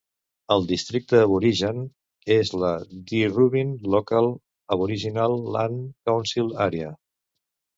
El districte aborigen és la Deerubbin Local Aboriginal Land Council Area.